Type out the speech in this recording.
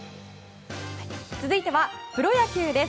続いては、プロ野球です。